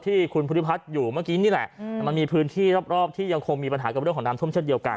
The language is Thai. ที่คุณภูริพัฒน์อยู่เมื่อกี้นี่แหละแต่มันมีพื้นที่รอบที่ยังคงมีปัญหากับเรื่องของน้ำท่วมเช่นเดียวกัน